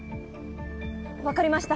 わかりました